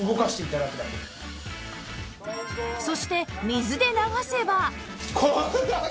そして水で流せば